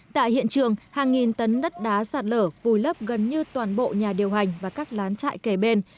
tại hiện trường hàng nghìn tấn đất đá sạt lở vùi lấp gần như toàn bộ nhà điều hành và các lán chạy kề bên